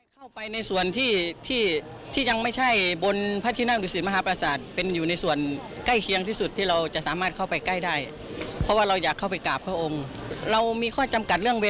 คือมีความรู้สึกว่าอยากจะมากราบเขาองค์ด้วย